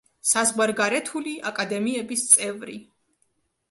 საზღვარგარეთული აკადემიების წევრი.